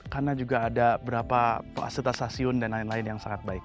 karena juga ada beberapa fasilitas stasiun dan lain lain yang sangat baik